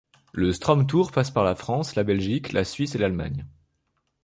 Le Strome Tour passe par la France, la Belgique, la Suisse et l'Allemagne.